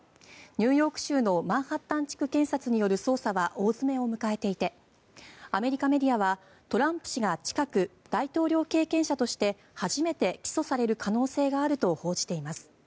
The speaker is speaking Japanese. ニューヨーク州のマンハッタン地区検察による捜査は大詰めを迎えていてアメリカメディアはトランプ氏が近く大統領経験者として初めて起訴される可能性があると報じています。